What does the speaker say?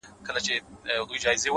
ستا په يادونو كي راتېره كړله _